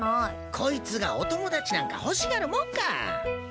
こいつがお友達なんか欲しがるもんか。